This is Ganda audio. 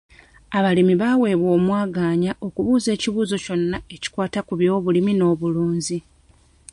Abalimi baweebwa omwagaanya okubuuza ekibuuzo kyonna ekikwata ku by'obulimi n'obulunzi.